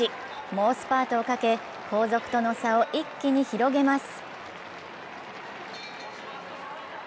猛スパートをかけ後続との差を一気に広げます。